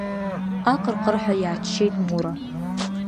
Аҟырҟырҳәа иааччеит Мура.